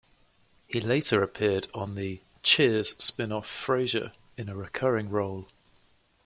He later appeared on the "Cheers" spin-off "Frasier" in a recurring role.